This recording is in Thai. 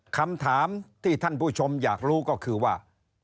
คำถามที่ท่านผู้ชมอยากรู้ก็คือว่า